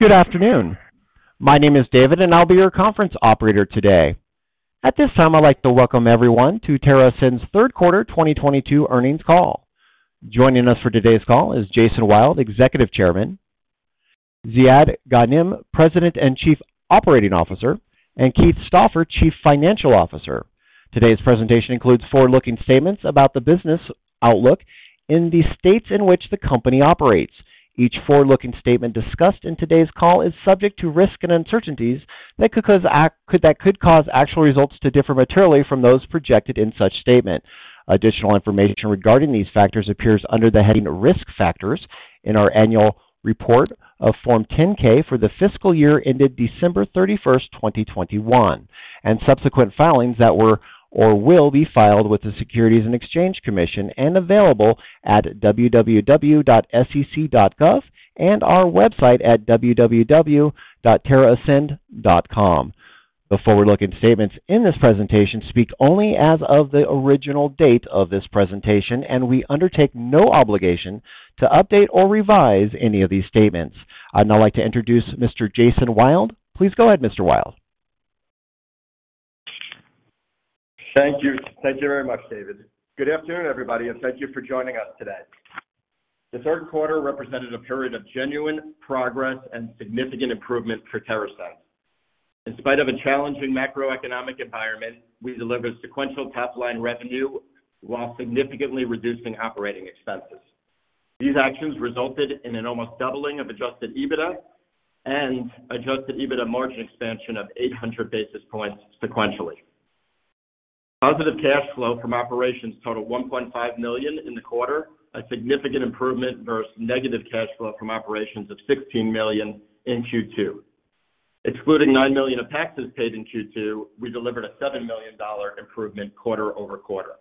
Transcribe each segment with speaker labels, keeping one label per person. Speaker 1: Good afternoon. My name is David, and I'll be your conference operator today. At this time, I'd like to welcome everyone to TerrAscend's Q3 2022 earnings call. Joining us for today's call is Jason Wild, Executive Chairman, Ziad Ghanem, President and Chief Operating Officer, and Keith Stauffer, Chief Financial Officer. Today's presentation includes forward-looking statements about the business outlook in the states in which the company operates. Each forward-looking statement discussed in today's call is subject to risks and uncertainties that could cause actual results to differ materially from those projected in such statement. Additional information regarding these factors appears under the heading Risk Factors in our annual report of Form 10-K for the fiscal year ended December 31, 2021, and subsequent filings that were or will be filed with the Securities and Exchange Commission and available at www.sec.gov and our website at www.terrascend.com. The forward-looking statements in this presentation speak only as of the original date of this presentation, and we undertake no obligation to update or revise any of these statements. I'd now like to introduce Mr. Jason Wild. Please go ahead, Mr. Wild.
Speaker 2: Thank you. Thank you very much, David. Good afternoon, everybody, and thank you for joining us today. The Q3 represented a period of genuine progress and significant improvement for TerrAscend. In spite of a challenging macroeconomic environment, we delivered sequential top-line revenue while significantly reducing operating expenses. These actions resulted in an almost doubling of adjusted EBITDA and adjusted EBITDA margin expansion of 800 basis points sequentially. Positive cash flow from operations totaled $1.5 million in the quarter, a significant improvement versus negative cash flow from operations of $16 million in Q2. Excluding $9 million of taxes paid in Q2, we delivered a $7 million improvement quarter over quarter.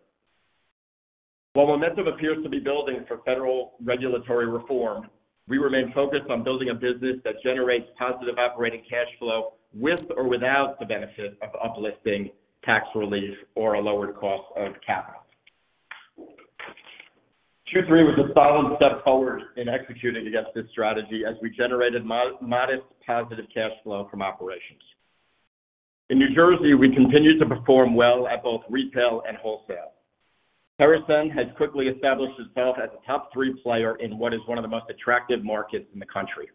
Speaker 2: While momentum appears to be building for federal regulatory reform, we remain focused on building a business that generates positive operating cash flow with or without the benefit of uplisting tax relief or a lowered cost of capital. Q3 was a solid step forward in executing against this strategy as we generated modest positive cash flow from operations. In New Jersey, we continued to perform well at both retail and wholesale. TerrAscend has quickly established itself as a top-three player in what is one of the most attractive markets in the country.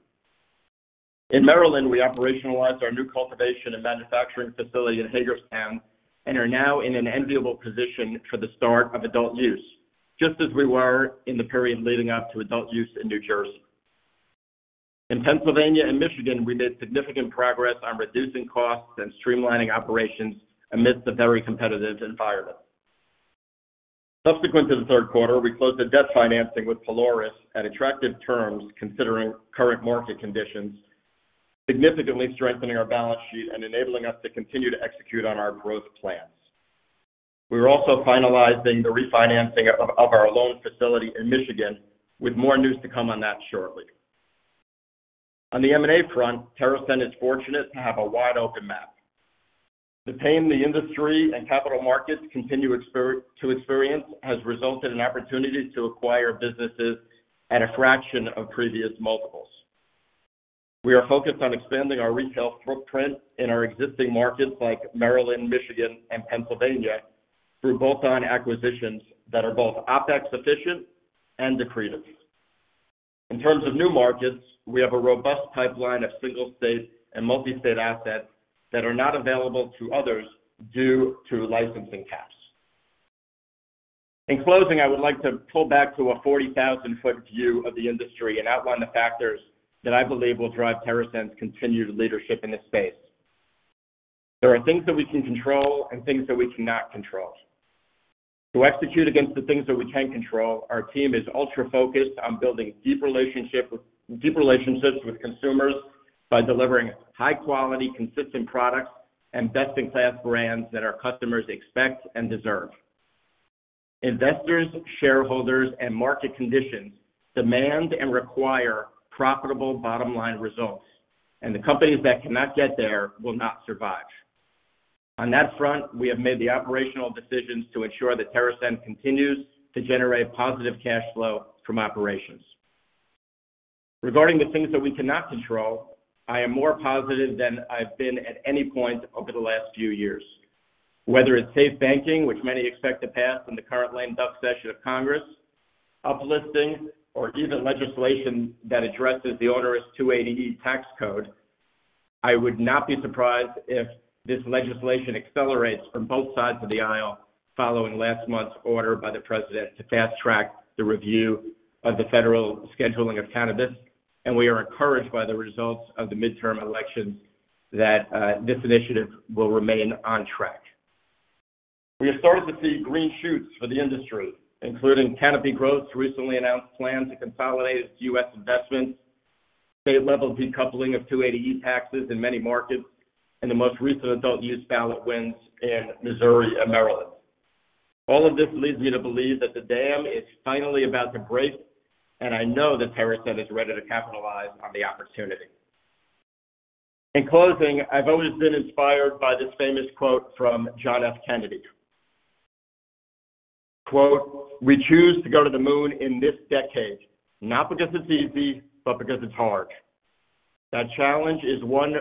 Speaker 2: In Maryland, we operationalized our new cultivation and manufacturing facility in Hagerstown and are now in an enviable position for the start of adult use, just as we were in the period leading up to adult use in New Jersey. In Pennsylvania and Michigan, we made significant progress on reducing costs and streamlining operations amidst a very competitive environment. Subsequent to the Q3, we closed a debt financing with Pelorus at attractive terms considering current market conditions, significantly strengthening our balance sheet and enabling us to continue to execute on our growth plans. We are also finalizing the refinancing of our loan facility in Michigan, with more news to come on that shortly. On the M&A front, TerrAscend is fortunate to have a wide-open map. The pain the industry and capital markets continue to experience has resulted in opportunities to acquire businesses at a fraction of previous multiples. We are focused on expanding our retail footprint in our existing markets like Maryland, Michigan, and Pennsylvania through bolt-on acquisitions that are both OpEx efficient and accretive. In terms of new markets, we have a robust pipeline of single state and multi-state assets that are not available to others due to licensing caps. In closing, I would like to pull back to a 40,000-foot view of the industry and outline the factors that I believe will drive TerrAscend's continued leadership in this space. There are things that we can control and things that we cannot control. To execute against the things that we can control, our team is ultra-focused on building deep relationships with consumers by delivering high quality, consistent products and best-in-class brands that our customers expect and deserve. Investors, shareholders, and market conditions demand and require profitable bottom-line results, and the companies that cannot get there will not survive. On that front, we have made the operational decisions to ensure that TerrAscend continues to generate positive cash flow from operations. Regarding the things that we cannot control, I am more positive than I've been at any point over the last few years. Whether it's SAFE Banking, which many expect to pass in the current lame duck session of Congress, uplisting, or even legislation that addresses the onerous 280E tax code, I would not be surprised if this legislation accelerates from both sides of the aisle following last month's order by the President to fast-track the review of the federal scheduling of cannabis, and we are encouraged by the results of the midterm elections that this initiative will remain on track. We have started to see green shoots for the industry, including Canopy Growth's recently announced plan to consolidate its U.S. investments, state-level decoupling of 280E taxes in many markets, and the most recent adult use ballot wins in Missouri and Maryland. All of this leads me to believe that the dam is finally about to break, and I know that TerrAscend is ready to capitalize on the opportunity. In closing, I've always been inspired by this famous quote from John F. Kennedy. Quote, "We choose to go to the moon in this decade, not because it's easy, but because it's hard. That challenge is one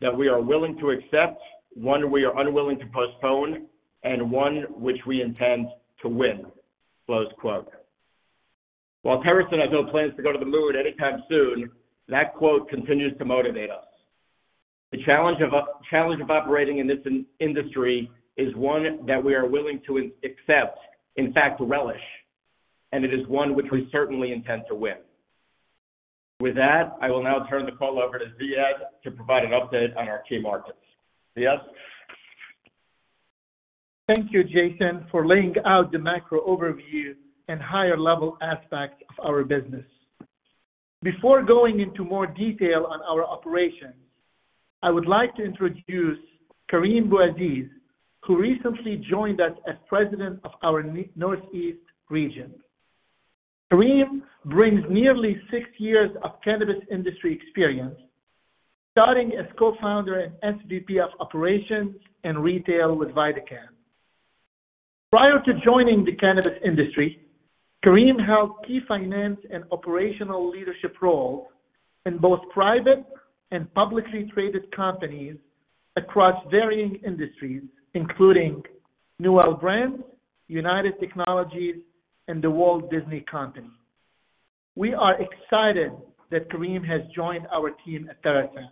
Speaker 2: that we are willing to accept, one we are unwilling to postpone, and one which we intend to win." Close quote. While TerrAscend has no plans to go to the moon anytime soon, that quote continues to motivate us. The challenge of operating in this industry is one that we are willing to accept, in fact, relish, and it is one which we certainly intend to win. With that, I will now turn the call over to Ziad to provide an update on our key markets. Ziad?
Speaker 3: Thank you, Jason, for laying out the macro overview and higher level aspects of our business. Before going into more detail on our operations, I would like to introduce Karim Bouaziz, who recently joined us as president of our Northeast region. Karim brings nearly six years of cannabis industry experience, starting as co-founder and SVP of operations and retail with VidaCann. Prior to joining the cannabis industry, Karim held key finance and operational leadership roles in both private and publicly traded companies across varying industries, including Newell Brands, United Technologies, and The Walt Disney Company. We are excited that Karim has joined our team at TerrAscend.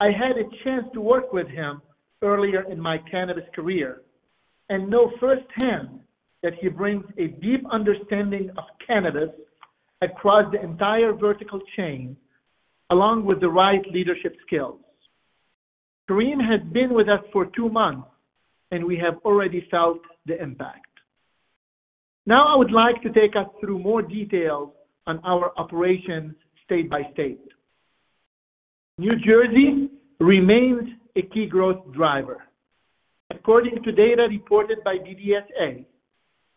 Speaker 3: I had a chance to work with him earlier in my cannabis career and know firsthand that he brings a deep understanding of cannabis across the entire vertical chain, along with the right leadership skills. Karim has been with us for two months, and we have already felt the impact. Now, I would like to take us through more details on our operations state by state. New Jersey remains a key growth driver. According to data reported by BDSA,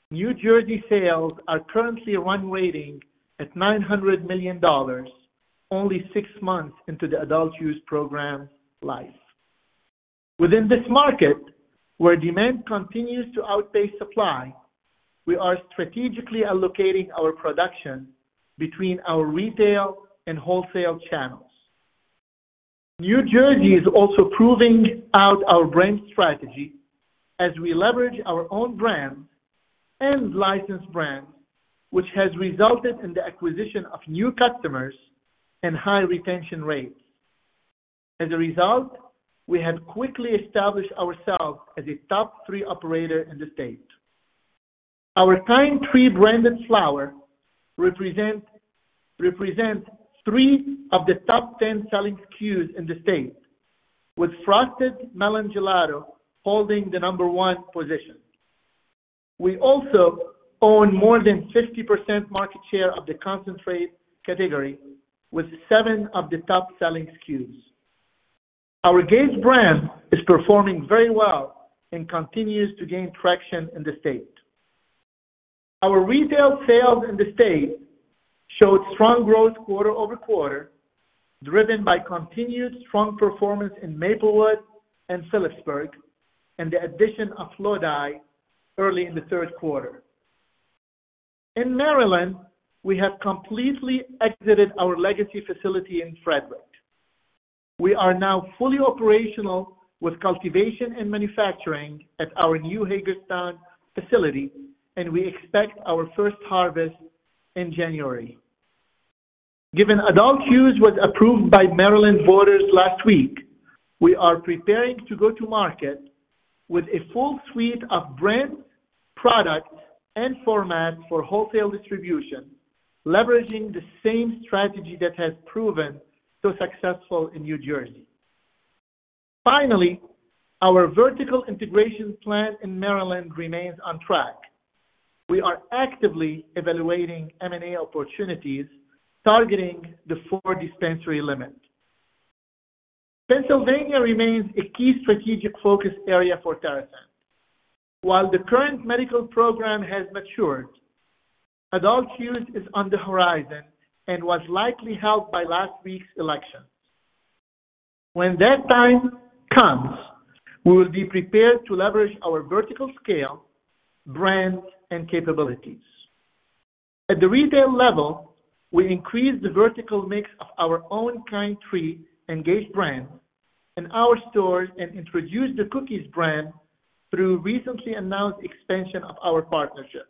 Speaker 3: New Jersey sales are currently run rate at $900 million, only six months into the adult use program life. Within this market, where demand continues to outpace supply, we are strategically allocating our production between our retail and wholesale channels. New Jersey is also proving out our brand strategy as we leverage our own brand and licensed brand, which has resulted in the acquisition of new customers and high retention rates. As a result, we have quickly established ourselves as a top three operator in the state. Our Kind Tree branded flower represents 3 of the top 10 selling SKUs in the state, with Frosted Melon Gelato holding the number 1 position. We also own more than 50% market share of the concentrate category, with 7 of the top-selling SKUs. Our Gage brand is performing very well and continues to gain traction in the state. Our retail sales in the state showed strong growth quarter-over-quarter, driven by continued strong performance in Maplewood and Phillipsburg and the addition of Lodi early in the Q3. In Maryland, we have completely exited our legacy facility in Frederick. We are now fully operational with cultivation and manufacturing at our new Hagerstown facility, and we expect our first harvest in January. Given adult use was approved by Maryland voters last week, we are preparing to go to market with a full suite of brands, products, and formats for wholesale distribution, leveraging the same strategy that has proven so successful in New Jersey. Finally, our vertical integration plan in Maryland remains on track. We are actively evaluating M&A opportunities, targeting the four dispensary limit. Pennsylvania remains a key strategic focus area for TerrAscend. While the current medical program has matured, adult use is on the horizon and was likely helped by last week's election. When that time comes, we will be prepared to leverage our vertical scale, brands, and capabilities. At the retail level, we increased the vertical mix of our own Kind Tree and Gage brand in our stores and introduced the Cookies brand through recently announced expansion of our partnership.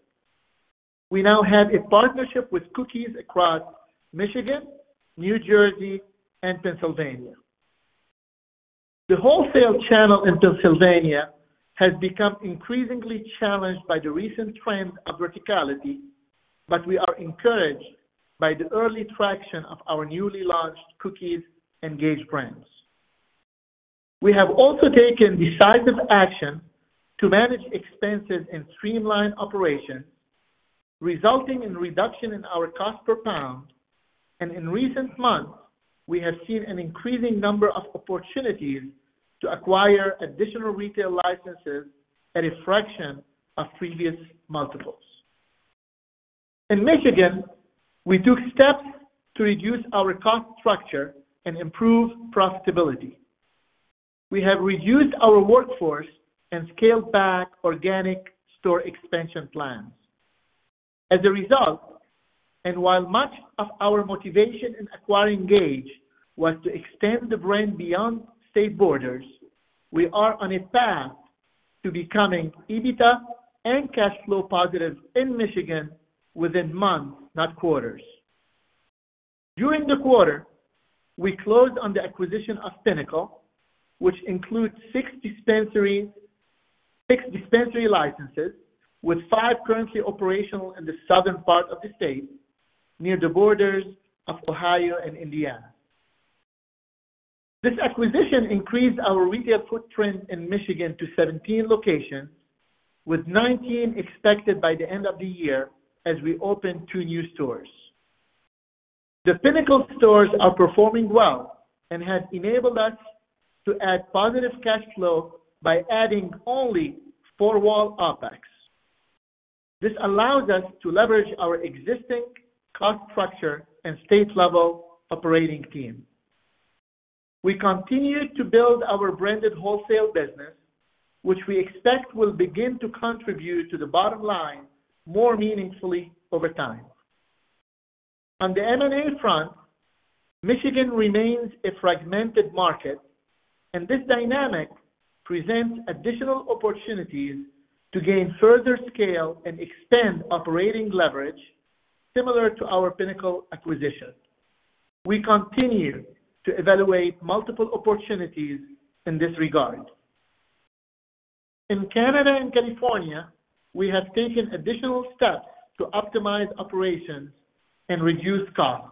Speaker 3: We now have a partnership with Cookies across Michigan, New Jersey, and Pennsylvania. The wholesale channel in Pennsylvania has become increasingly challenged by the recent trend of verticality, but we are encouraged by the early traction of our newly launched Cookies and Gage brands. We have also taken decisive action to manage expenses and streamline operations, resulting in reduction in our cost per pound. In recent months, we have seen an increasing number of opportunities to acquire additional retail licenses at a fraction of previous multiples. In Michigan, we took steps to reduce our cost structure and improve profitability. We have reduced our workforce and scaled back organic store expansion plans. As a result, and while much of our motivation in acquiring Gage was to extend the brand beyond state borders, we are on a path to becoming EBITDA and cash flow positive in Michigan within months, not quarters. During the quarter, we closed on the acquisition of Pinnacle, which includes 6 dispensaries, 6 dispensary licenses with 5 currently operational in the southern part of the state, near the borders of Ohio and Indiana. This acquisition increased our retail footprint in Michigan to 17 locations, with 19 expected by the end of the year as we open 2 new stores. The Pinnacle stores are performing well and have enabled us to add positive cash flow by adding only four-wall OpEx. This allows us to leverage our existing cost structure and state-level operating team. We continue to build our branded wholesale business, which we expect will begin to contribute to the bottom line more meaningfully over time. On the M&A front, Michigan remains a fragmented market, and this dynamic presents additional opportunities to gain further scale and extend operating leverage similar to our Pinnacle acquisition. We continue to evaluate multiple opportunities in this regard. In Canada and California, we have taken additional steps to optimize operations and reduce costs.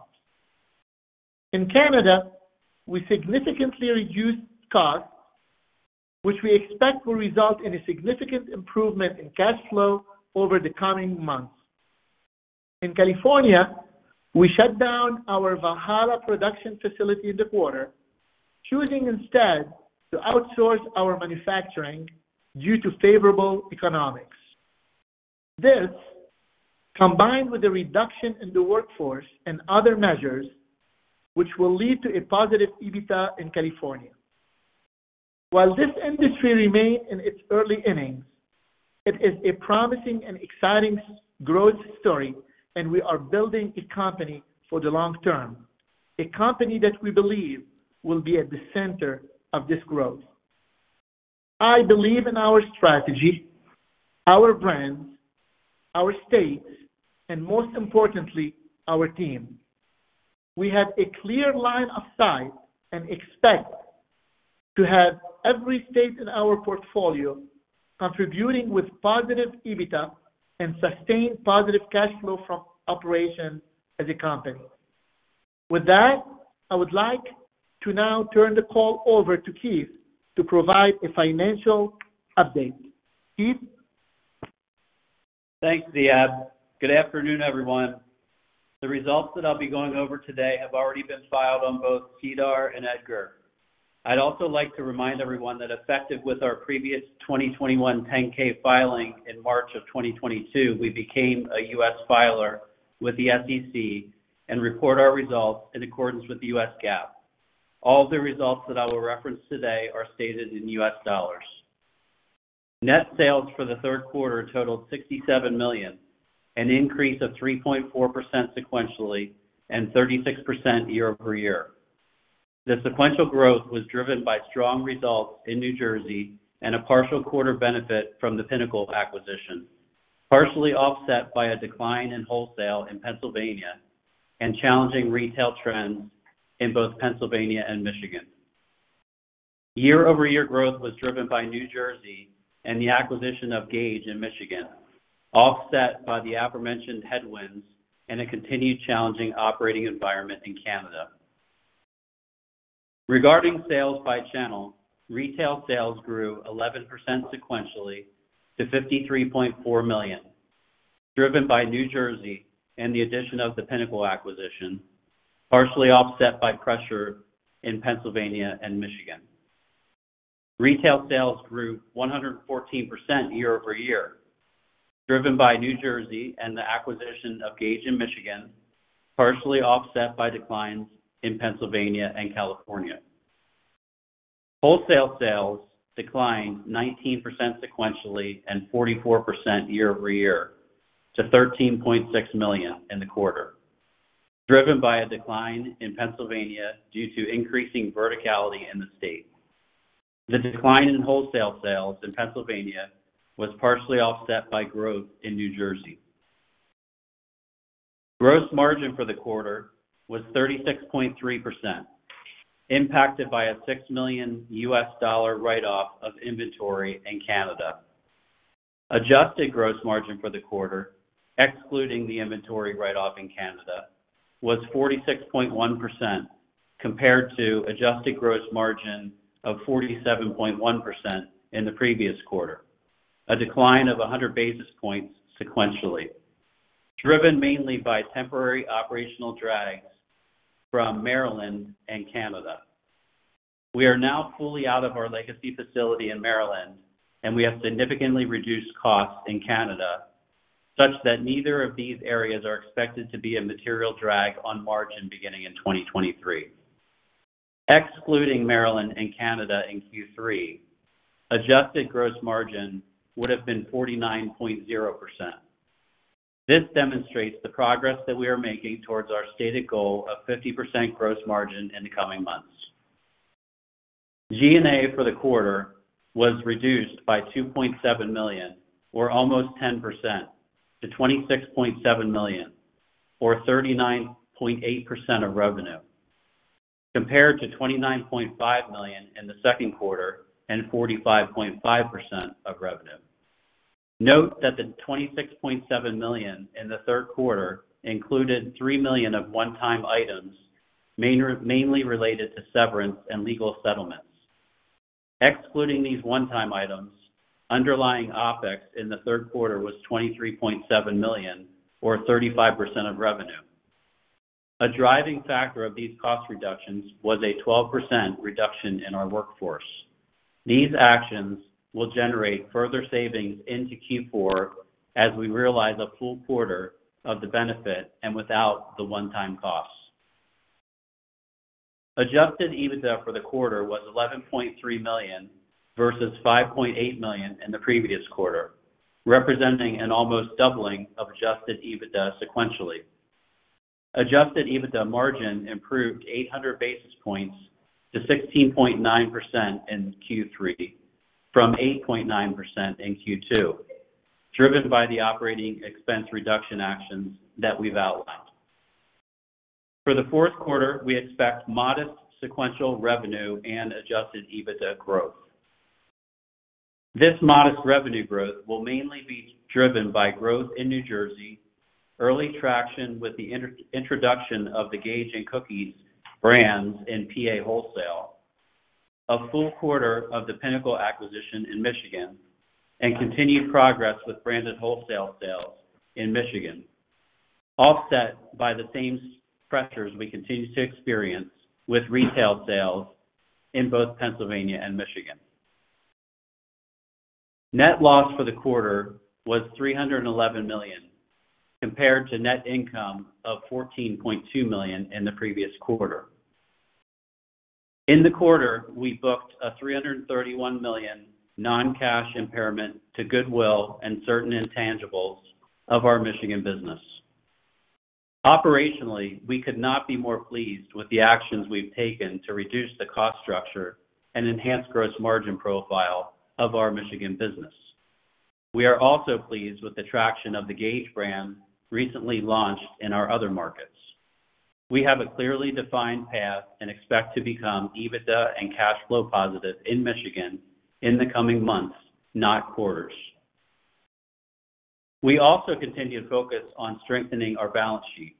Speaker 3: In Canada, we significantly reduced costs, which we expect will result in a significant improvement in cash flow over the coming months. In California, we shut down our Valhalla production facility in the quarter, choosing instead to outsource our manufacturing due to favorable economics. This, combined with a reduction in the workforce and other measures, which will lead to a positive EBITDA in California. While this industry remains in its early innings, it is a promising and exciting growth story, and we are building a company for the long term, a company that we believe will be at the center of this growth. I believe in our strategy, our brands, our states, and most importantly, our team. We have a clear line of sight and expect to have every state in our portfolio contributing with positive EBITDA and sustained positive cash flow from operations as a company. With that, I would like to now turn the call over to Keith to provide a financial update. Keith?
Speaker 4: Thanks, Ziad. Good afternoon, everyone. The results that I'll be going over today have already been filed on both SEDAR and EDGAR. I'd also like to remind everyone that effective with our previous 2021 10-K filing in March of 2022, we became a U.S. filer with the SEC and report our results in accordance with U.S. GAAP. All the results that I will reference today are stated in U.S. dollars. Net sales for the Q3 totaled $67 million, an increase of 3.4% sequentially and 36% year-over-year. The sequential growth was driven by strong results in New Jersey and a partial quarter benefit from the Pinnacle acquisition, partially offset by a decline in wholesale in Pennsylvania and challenging retail trends in both Pennsylvania and Michigan. Year-over-year growth was driven by New Jersey and the acquisition of Gage in Michigan, offset by the aforementioned headwinds and a continued challenging operating environment in Canada. Regarding sales by channel, retail sales grew 11% sequentially to $53.4 million, driven by New Jersey and the addition of the Pinnacle acquisition, partially offset by pressure in Pennsylvania and Michigan. Retail sales grew 114% year-over-year, driven by New Jersey and the acquisition of Gage in Michigan, partially offset by declines in Pennsylvania and California. Wholesale sales declined 19% sequentially and 44% year-over-year to $13.6 million in the quarter, driven by a decline in Pennsylvania due to increasing verticality in the state. The decline in wholesale sales in Pennsylvania was partially offset by growth in New Jersey. Gross margin for the quarter was 36.3%, impacted by a $6 million write-off of inventory in Canada. Adjusted gross margin for the quarter, excluding the inventory write-off in Canada, was 46.1% compared to adjusted gross margin of 47.1% in the previous quarter. A decline of 100 basis points sequentially, driven mainly by temporary operational drags from Maryland and Canada. We are now fully out of our legacy facility in Maryland, and we have significantly reduced costs in Canada, such that neither of these areas are expected to be a material drag on margin beginning in 2023. Excluding Maryland and Canada in Q3, adjusted gross margin would have been 49.0%. This demonstrates the progress that we are making towards our stated goal of 50% gross margin in the coming months. G&A for the quarter was reduced by $2.7 million, or almost 10% to $26.7 million, or 39.8% of revenue, compared to $29.5 million in the Q2 and 45.5% of revenue. Note that the $26.7 million in the Q3 included $3 million of one-time items, mainly related to severance and legal settlements. Excluding these one-time items, underlying OpEx in the Q3 was $23.7 million or 35% of revenue. A driving factor of these cost reductions was a 12% reduction in our workforce. These actions will generate further savings into Q4 as we realize a full quarter of the benefit and without the one-time costs. Adjusted EBITDA for the quarter was $11.3 million versus $5.8 million in the previous quarter, representing an almost doubling of adjusted EBITDA sequentially. Adjusted EBITDA margin improved 800 basis points to 16.9% in Q3 from 8.9% in Q2, driven by the operating expense reduction actions that we've outlined. For theQ4, we expect modest sequential revenue and adjusted EBITDA growth. This modest revenue growth will mainly be driven by growth in New Jersey, early traction with the introduction of the Gage and Cookies brands in PA wholesale, a full quarter of the Pinnacle acquisition in Michigan, and continued progress with branded wholesale sales in Michigan, offset by the same pressures we continue to experience with retail sales in both Pennsylvania and Michigan. Net loss for the quarter was $311 million, compared to net income of $14.2 million in the previous quarter. In the quarter, we booked a $331 million non-cash impairment to goodwill and certain intangibles of our Michigan business. Operationally, we could not be more pleased with the actions we've taken to reduce the cost structure and enhance gross margin profile of our Michigan business. We are also pleased with the traction of the Gage brand recently launched in our other markets. We have a clearly defined path and expect to become EBITDA and cash flow positive in Michigan in the coming months, not quarters. We also continue to focus on strengthening our balance sheet.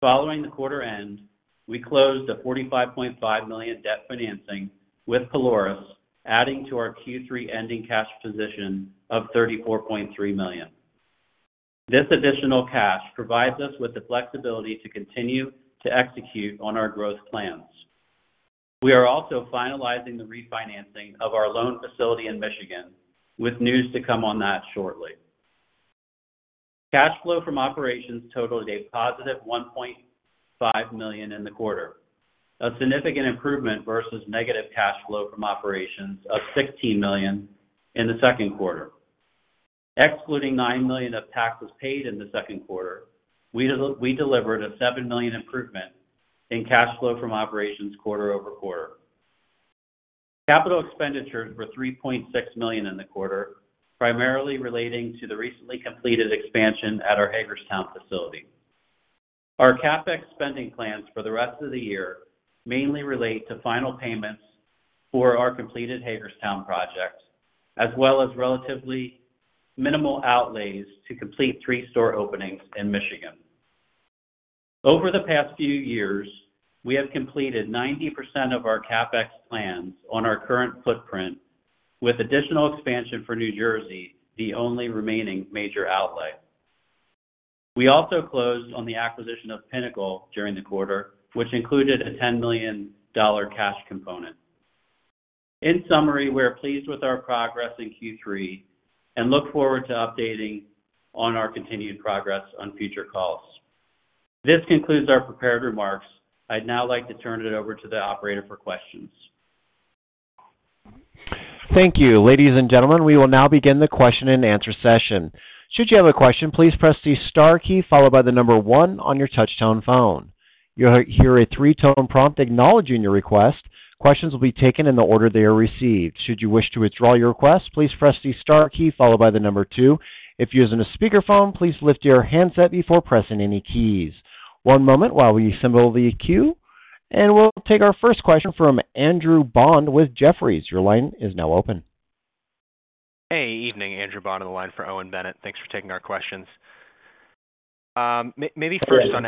Speaker 4: Following the quarter end, we closed a $45.5 million debt financing with Pelorus, adding to our Q3 ending cash position of $34.3 million. This additional cash provides us with the flexibility to continue to execute on our growth plans. We are also finalizing the refinancing of our loan facility in Michigan with news to come on that shortly. Cash flow from operations totaled a positive $1.5 million in the quarter, a significant improvement versus negative cash flow from operations of $16 million in the Q2. Excluding $9 million of taxes paid in the Q2, we delivered a $7 million improvement in cash flow from operations quarter over quarter. Capital expenditures were $3.6 million in the quarter, primarily relating to the recently completed expansion at our Hagerstown facility. Our CapEx spending plans for the rest of the year mainly relate to final payments for our completed Hagerstown project, as well as relatively minimal outlays to complete three store openings in Michigan. Over the past few years, we have completed 90% of our CapEx plans on our current footprint, with additional expansion for New Jersey, the only remaining major outlay. We also closed on the acquisition of Pinnacle during the quarter, which included a $10 million cash component. In summary, we're pleased with our progress in Q3 and look forward to updating on our continued progress on future calls. This concludes our prepared remarks. I'd now like to turn it over to the operator for questions.
Speaker 1: Thank you. Ladies and gentlemen, we will now begin the question-and-answer session. Should you have a question, please press the star key followed by the number one on your touch-tone phone. You'll hear a three-tone prompt acknowledging your request. Questions will be taken in the order they are received. Should you wish to withdraw your request, please press the star key followed by the number two. If you're using a speaker phone, please lift your handset before pressing any keys. One moment while we assemble the queue, and we'll take our first question from Andrew Bond with Jefferies. Your line is now open.
Speaker 5: Evening, Andrew Bond on the line for Owen Bennett. Thanks for taking our questions. Maybe first on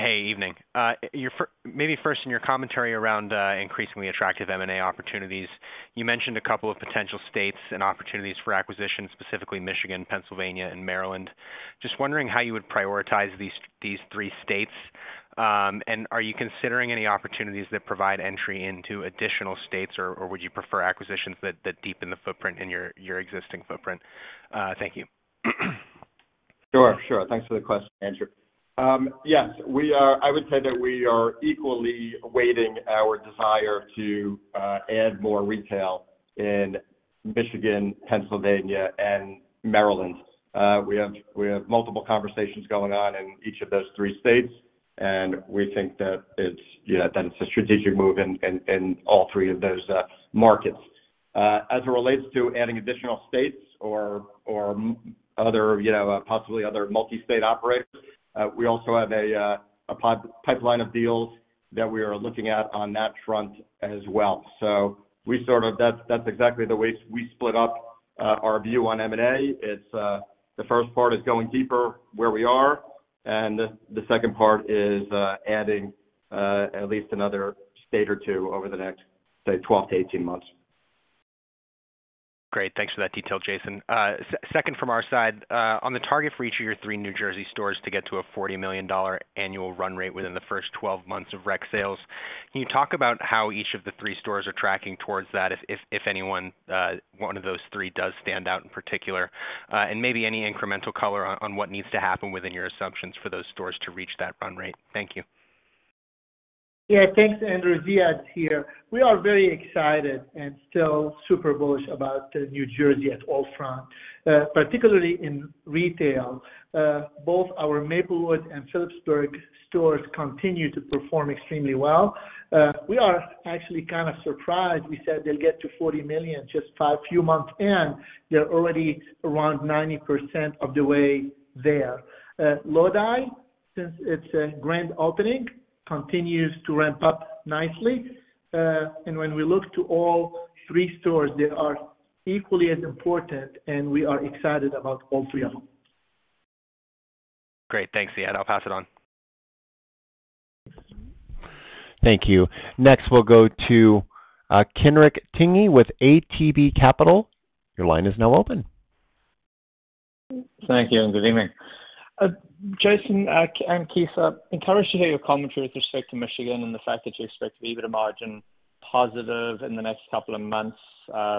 Speaker 5: M&A. Your commentary around increasingly attractive M&A opportunities. You mentioned a couple of potential states and opportunities for acquisition, specifically Michigan, Pennsylvania, and Maryland. Just wondering how you would prioritize these three states, and are you considering any opportunities that provide entry into additional states or would you prefer acquisitions that deepen the footprint in your existing footprint? Thank you.
Speaker 2: Sure. Thanks for the question, Andrew. Yes, I would say that we are equally weighting our desire to add more retail in Michigan, Pennsylvania and Maryland. We have multiple conversations going on in each of those three states, and we think that it's a strategic move in all three of those markets. As it relates to adding additional states or possibly other multi-state operators, we also have a pipeline of deals that we are looking at on that front as well. That's exactly the way we split up our view on M&A.
Speaker 4: It's the first part is going deeper where we are, and the second part is adding at least another state or two over the next, say, 12-18 months.
Speaker 5: Great. Thanks for that detail, Jason. Second from our side, on the target for each of your 3 New Jersey stores to get to a $40 million annual run rate within the first 12 months of rec sales, can you talk about how each of the 3 stores are tracking towards that if any one of those 3 does stand out in particular? Maybe any incremental color on what needs to happen within your assumptions for those stores to reach that run rate. Thank you.
Speaker 3: Yeah. Thanks, Andrew. Ziad here. We are very excited and still super bullish about New Jersey on all fronts, particularly in retail. Both our Maplewood and Phillipsburg stores continue to perform extremely well. We are actually kind of surprised. We said they'll get to $40 million just a few months in, they're already around 90% of the way there. Lodi, since it's a grand opening, continues to ramp up nicely. When we look to all three stores, they are equally as important and we are excited about all three of them.
Speaker 5: Great. Thanks, Ziad. I'll pass it on.
Speaker 1: Thank you. Next, we'll go to Kenric Tyghe with ATB Capital. Your line is now open.
Speaker 6: Thank you and good evening. Jason and Keith, encouraged to hear your commentary with respect to Michigan and the fact that you expect the EBITDA margin positive in the next couple of months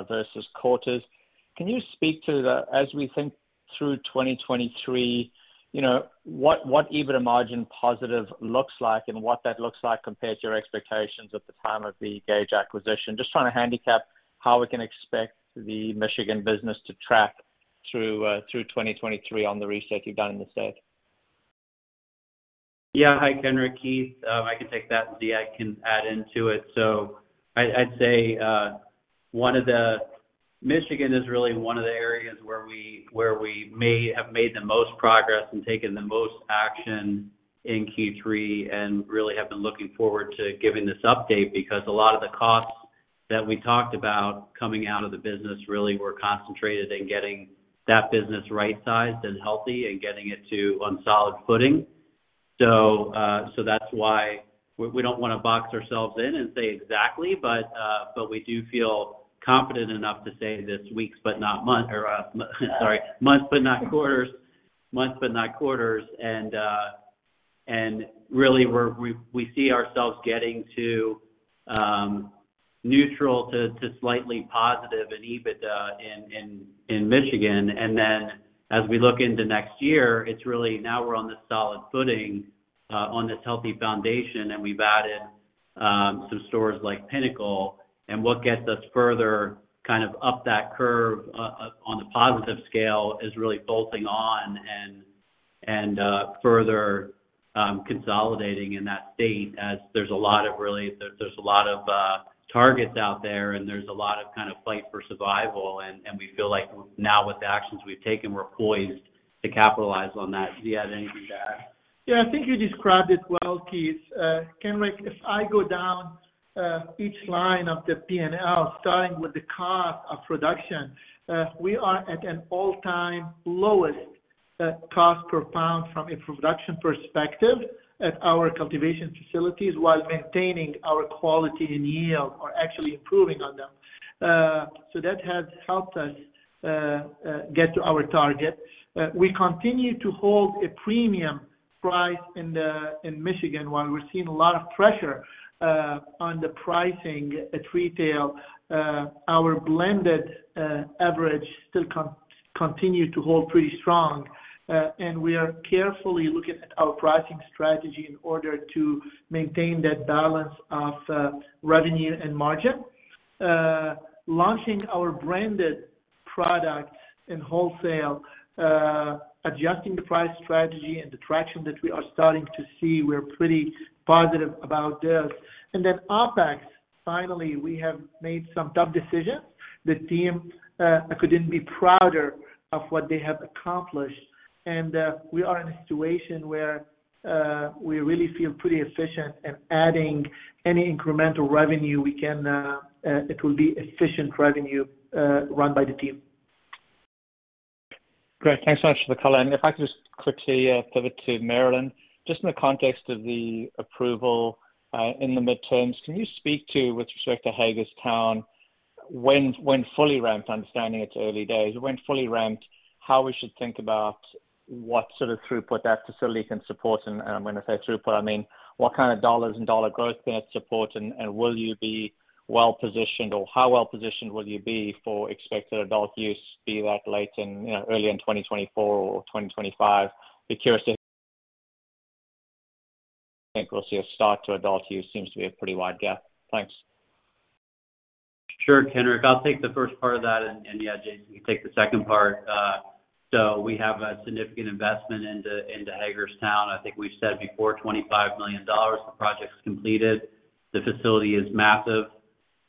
Speaker 6: versus quarters. Can you speak to the, as we think through 2023, you know, what EBITDA margin positive looks like and what that looks like compared to your expectations at the time of the Gage acquisition? Just trying to handicap how we can expect the Michigan business to track through 2023 on the reset you've done in the state.
Speaker 4: Yeah. Hi, Kenric. Keith. I can take that and Ziad can add into it. I'd say one of the Michigan is really one of the areas where we may have made the most progress and taken the most action in Q3 and really have been looking forward to giving this update because a lot of the costs that we talked about coming out of the business really were concentrated in getting that business right-sized and healthy and getting it on solid footing. That's why we don't wanna box ourselves in and say exactly, but we do feel confident enough to say in weeks but not months or quarters. really we see ourselves getting to neutral to slightly positive in EBITDA in Michigan. Then as we look into next year, it's really now we're on this solid footing on this healthy foundation, and we've added some stores like Pinnacle. What gets us further kind of up that curve on the positive scale is really bolting on and further consolidating in that state as there's a lot of targets out there, and there's a lot of kind of fight for survival. We feel like now with the actions we've taken, we're poised to capitalize on that. Ziad, anything to add?
Speaker 3: Yeah, I think you described it well, Keith. Kenric, if I go down each line of the P&L, starting with the cost of production, we are at an all-time lowest cost per pound from a production perspective at our cultivation facilities while maintaining our quality and yield or actually improving on them. That has helped us get to our target. We continue to hold a premium price in Michigan. While we're seeing a lot of pressure on the pricing at retail, our blended average still continue to hold pretty strong. We are carefully looking at our pricing strategy in order to maintain that balance of revenue and margin. Launching our branded product in wholesale, adjusting the price strategy and the traction that we are starting to see, we're pretty positive about this. OpEx, finally, we have made some tough decisions. The team, I couldn't be prouder of what they have accomplished. We are in a situation where we really feel pretty efficient in adding any incremental revenue we can. It will be efficient revenue run by the team.
Speaker 6: Great. Thanks so much for the color. If I could just quickly pivot to Maryland. Just in the context of the approval in the midterms, can you speak to with respect to Hagerstown?
Speaker 3: When fully ramped, understanding its early days, when fully ramped, how should we think about what sort of throughput that facility can support. When I say throughput, I mean, what kind of dollars and dollar growth can it support, and will you be well-positioned, or how well-positioned will you be for expected adult use be that late in, you know, early in 2024 or 2025? I'm curious if you think we'll see a start to adult use. Seems to be a pretty wide gap. Thanks.
Speaker 4: Sure, Kenric. I'll take the first part of that, and yeah, Jason, you take the second part. We have a significant investment into Hagerstown. I think we've said before, $25 million, the project's completed. The facility is massive.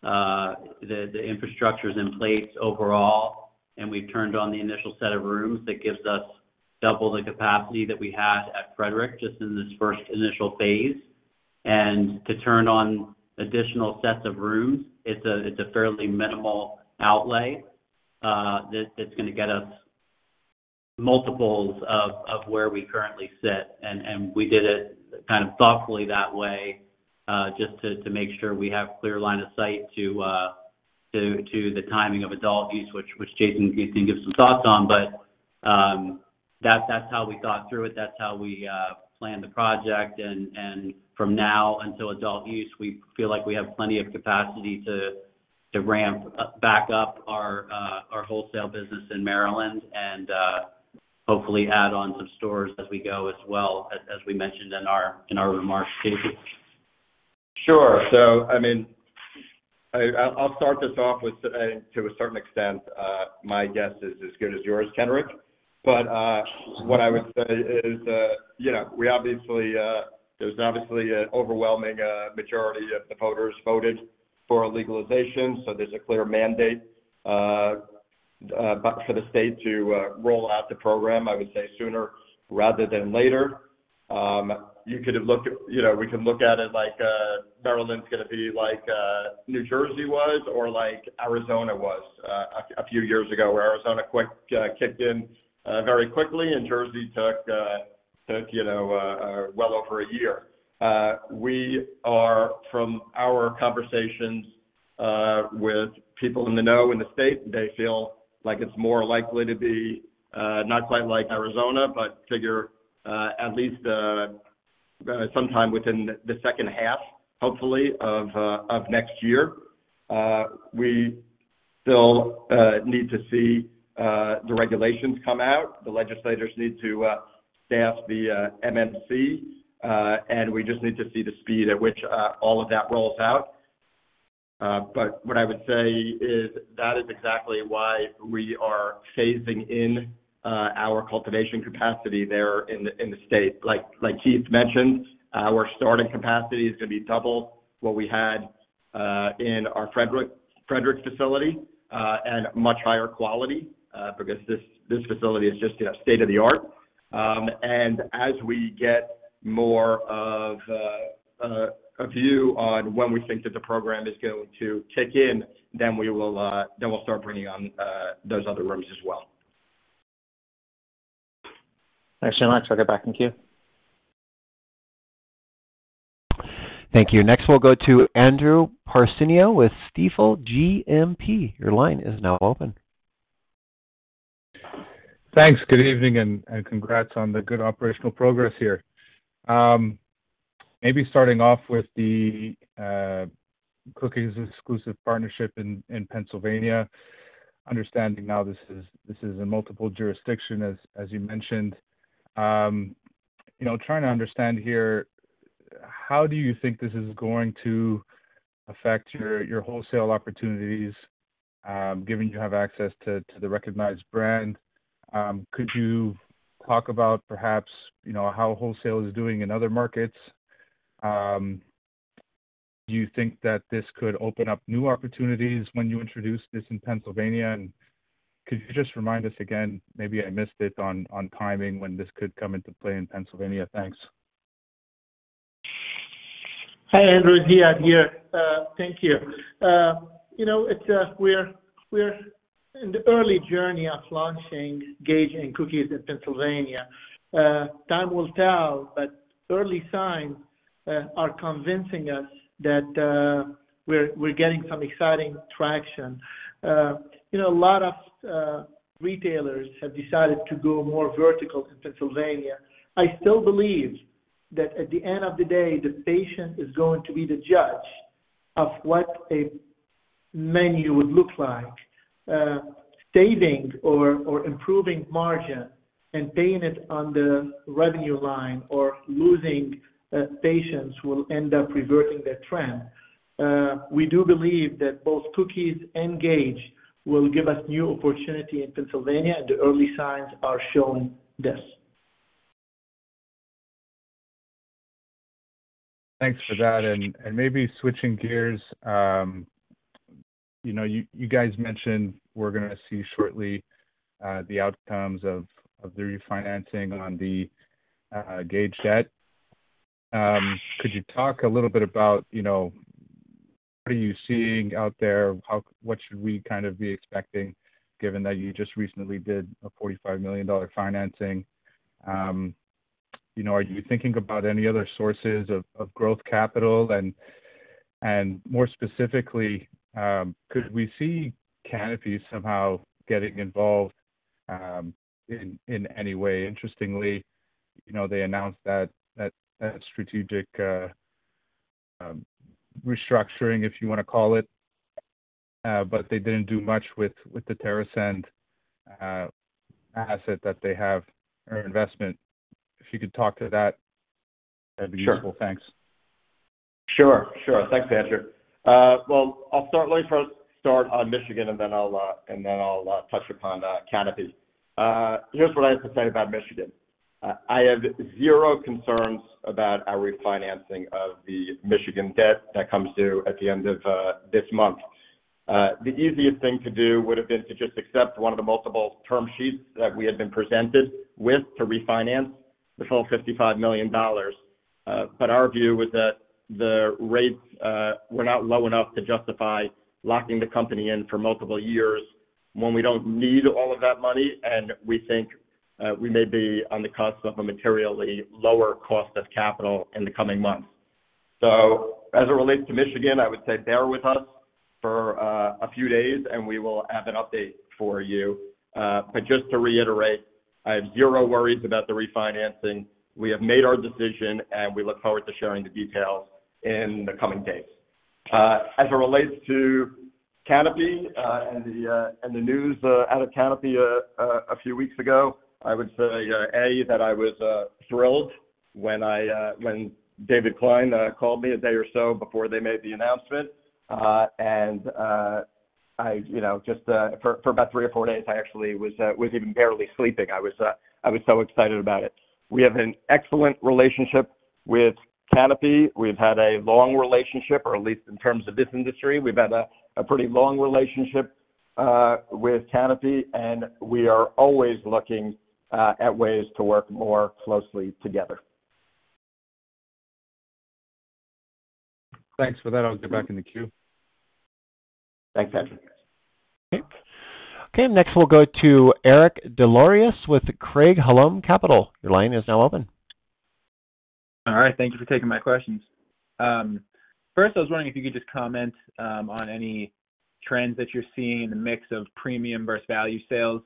Speaker 4: The infrastructure's in place overall, and we've turned on the initial set of rooms that gives us double the capacity that we had at Frederick just in this first initial phase. To turn on additional sets of rooms, it's a fairly minimal outlay that that's gonna get us multiples of where we currently sit. We did it kind of thoughtfully that way just to make sure we have clear line of sight to the timing of adult use, which Jason, you can give some thoughts on. That's how we thought through it, that's how we planned the project. From now until adult use, we feel like we have plenty of capacity to ramp up to back up our wholesale business in Maryland and hopefully add on some stores as we go as well as we mentioned in our remarks. Jason?
Speaker 2: Sure. I mean, I'll start this off with, to a certain extent, my guess is as good as yours, Kenric. What I would say is, you know, we obviously, there's obviously an overwhelming majority of the voters voted for legalization, so there's a clear mandate, but for the state to roll out the program, I would say sooner rather than later. You could have looked at, you know, we can look at it like, Maryland's gonna be like, New Jersey was or like Arizona was, a few years ago, where Arizona quickly kicked in very quickly and Jersey took you know well over a year. We hear from our conversations with people in the know in the state, they feel like it's more likely to be not quite like Arizona, but figure at least sometime within the second half, hopefully of next year. We still need to see the regulations come out. The legislators need to staff the MMCC, and we just need to see the speed at which all of that rolls out. What I would say is that is exactly why we are phasing in our cultivation capacity there in the state. Like Keith mentioned, our starting capacity is gonna be double what we had in our Frederick facility, and much higher quality, because this facility is just, you know, state-of-the-art. As we get more of a view on when we think that the program is going to kick in, then we'll start bringing on those other rooms as well.
Speaker 3: Thanks, gentlemen. I'll take it back in queue.
Speaker 1: Thank you. Next, we'll go to Andrew Partheniou with Stifel GMP. Your line is now open.
Speaker 7: Thanks. Good evening and congrats on the good operational progress here. Maybe starting off with the Cookies exclusive partnership in Pennsylvania. Understanding now this is in multiple jurisdictions as you mentioned. You know, trying to understand here, how do you think this is going to affect your wholesale opportunities, given you have access to the recognized brand? Could you talk about perhaps, you know, how wholesale is doing in other markets? Do you think that this could open up new opportunities when you introduce this in Pennsylvania? Could you just remind us again, maybe I missed it on timing, when this could come into play in Pennsylvania? Thanks.
Speaker 3: Hi, Andrew. Ziad Ghanem here. Thank you. You know, it's we're in the early journey of launching Gage and Cookies in Pennsylvania. Time will tell, but early signs are convincing us that we're getting some exciting traction. You know, a lot of retailers have decided to go more vertical in Pennsylvania. I still believe that at the end of the day, the patient is going to be the judge of what a menu would look like, saving or improving margin and paying it on the revenue line or losing patients will end up reversing that trend. We do believe that both Cookies and Gage will give us new opportunity in Pennsylvania, and the early signs are showing this.
Speaker 7: Thanks for that. Maybe switching gears, you know, you guys mentioned we're gonna see shortly, the outcomes of the refinancing on the Gage debt. Could you talk a little bit about, you know, what are you seeing out there? What should we kind of be expecting given that you just recently did a $45 million financing? You know, are you thinking about any other sources of growth capital? More specifically, could we see Canopy somehow getting involved in any way? Interestingly, you know, they announced that strategic restructuring, if you wanna call it, but they didn't do much with the TerrAscend asset that they have or investment. If you could talk to that'd be useful.
Speaker 2: Sure.
Speaker 7: Thanks.
Speaker 2: Sure. Thanks, Andrew Partheniou. Well, I'll start. Let me first start on Michigan, and then I'll touch upon Canopy. Here's what I have to say about Michigan. I have zero concerns about our refinancing of the Michigan debt that comes due at the end of this month. The easiest thing to do would have been to just accept one of the multiple term sheets that we had been presented with to refinance the full $55 million. Our view was that the rates were not low enough to justify locking the company in for multiple years when we don't need all of that money, and we think we may be on the cusp of a materially lower cost of capital in the coming months. As it relates to Michigan, I would say bear with us for a few days, and we will have an update for you. Just to reiterate, I have zero worries about the refinancing. We have made our decision, and we look forward to sharing the details in the coming days. As it relates to Canopy and the news out of Canopy a few weeks ago, I would say that I was thrilled when David Klein called me a day or so before they made the announcement. You know, just for about three or four days, I actually was even barely sleeping. I was so excited about it. We have an excellent relationship with Canopy. We've had a long relationship, or at least in terms of this industry. We've had a pretty long relationship with Canopy, and we are always looking at ways to work more closely together.
Speaker 7: Thanks for that. I'll get back in the queue.
Speaker 2: Thanks, Patrick.
Speaker 1: Okay. Okay, next we'll go to Eric Des Lauriers with Craig-Hallum Capital Group. Your line is now open.
Speaker 8: All right. Thank you for taking my questions. First, I was wondering if you could just comment on any trends that you're seeing, the mix of premium versus value sales.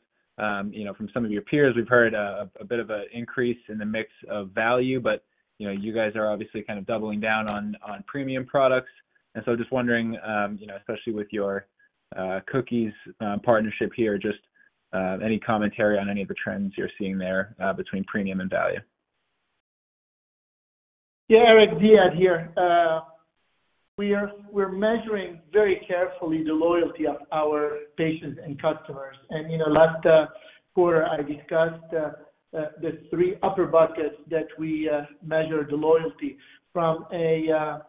Speaker 8: You know, from some of your peers, we've heard a bit of an increase in the mix of value, but you know, you guys are obviously kind of doubling down on premium products. Just wondering, you know, especially with your Cookies partnership here, just any commentary on any of the trends you're seeing there between premium and value.
Speaker 2: Yeah, Eric, Ziad Ghanem here. We're measuring very carefully the loyalty of our patients and customers. In the last quarter, I discussed the three upper buckets that we measure the loyalty from our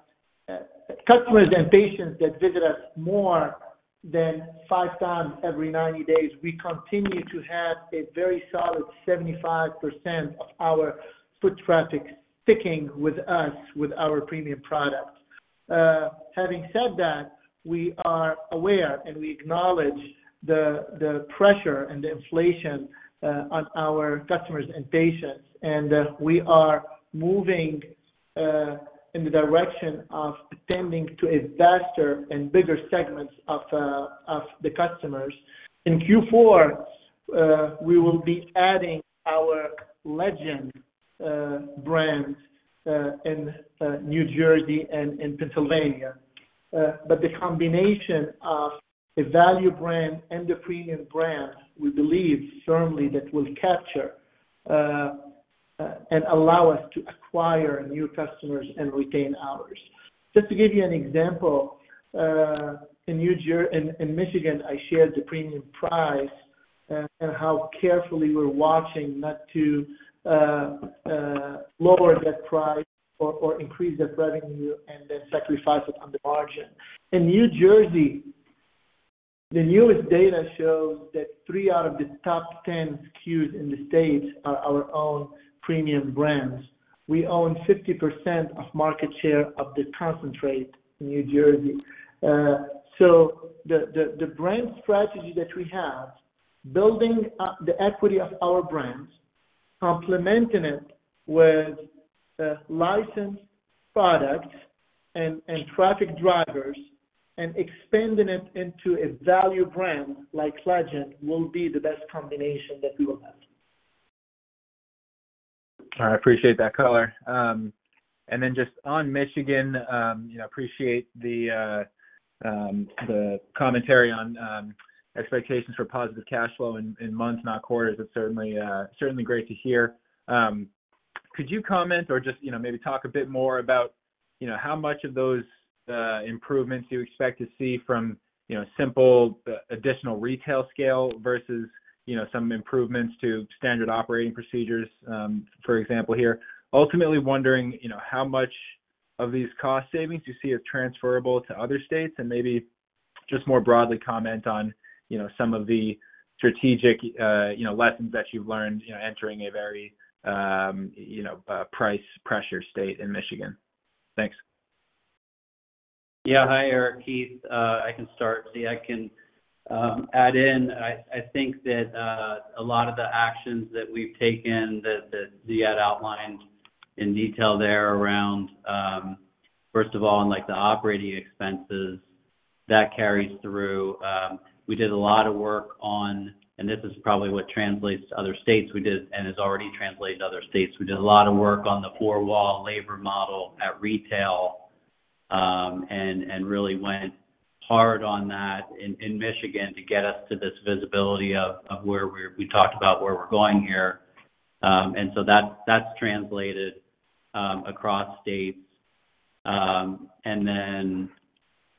Speaker 2: customers and patients that visit us more than five times every 90 days. We continue to have a very solid 75% of our foot traffic sticking with us with our premium products. Having said that, we are aware, and we acknowledge the pressure and the inflation on our customers and patients, and we are moving in the direction of tending to a vaster and bigger segments of the customers. In Q4, we will be adding our Legend brand in New Jersey and in Pennsylvania. The combination of a value brand and a premium brand, we believe firmly that will capture and allow us to acquire new customers and retain ours. Just to give you an example, in Michigan, I shared the premium price and how carefully we're watching not to lower that price or increase that revenue and then sacrifice it on the margin. In New Jersey, the newest data shows that three out of the top 10 SKUs in the state are our own premium brands. We own 50% of market share of the concentrate in New Jersey. The brand strategy that we have, building up the equity of our brands, complementing it with licensed products and traffic drivers, and expanding it into a value brand like Legend will be the best combination that we will have.
Speaker 8: I appreciate that color. Just on Michigan, you know, appreciate the commentary on expectations for positive cash flow in months, not quarters. It's certainly great to hear. Could you comment or just, you know, maybe talk a bit more about, you know, how much of those improvements you expect to see from, you know, simple additional retail scale versus, you know, some improvements to standard operating procedures, for example, here. Ultimately wondering, you know, how much of these cost savings you see as transferable to other states, and maybe just more broadly comment on, you know, some of the strategic lessons that you've learned, you know, entering a very price pressure state in Michigan. Thanks.
Speaker 4: Yeah. Hi, Eric. Keith, I can start. I can add in. I think that a lot of the actions that we've taken that Ziad outlined in detail there around first of all in like the operating expenses, that carries through. We did a lot of work on and this is probably what translates to other states and has already translated to other states. We did a lot of work on the four-wall labor model at retail and really went hard on that in Michigan to get us to this visibility of where we talked about where we're going here. That's translated across states.